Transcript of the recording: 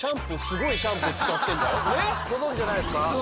ご存じじゃないですか？